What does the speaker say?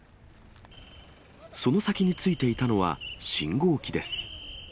その先についていたのは信号機です。